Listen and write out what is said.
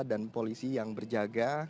dan polisi yang berjaga